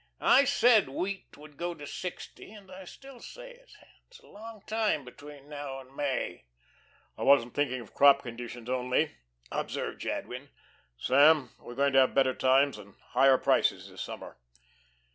I said wheat would go to sixty, and I still say it. It's a long time between now and May." "I wasn't thinking of crop conditions only," observed Jadwin. "Sam, we're going to have better times and higher prices this summer."